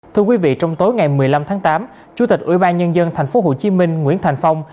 thưa quý vị trong tối ngày một mươi năm tháng tám chủ tịch ủy ban nhân dân tp hcm nguyễn thành phong